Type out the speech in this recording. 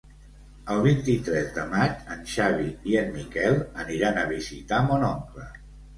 El vint-i-tres de maig en Xavi i en Miquel aniran a visitar mon oncle.